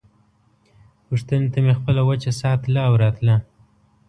پوښتنې ته مې خپله وچه ساه تله او راتله.